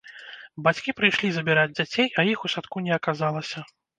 Бацькі прыйшлі забіраць дзяцей, а іх у садку не аказалася.